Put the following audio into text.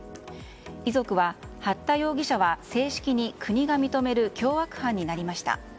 遺族は八田容疑者は正式に国が認める凶悪犯になりました。